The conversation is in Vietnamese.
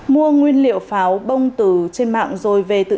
mua nguyên liệu pháo bông từ trên mạng rồi về tự